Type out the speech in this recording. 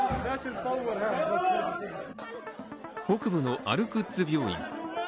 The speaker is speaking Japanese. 北部のアルクッズ病院。